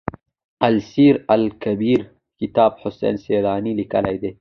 السير لکبير کتاب حسن سيلاني ليکی دی.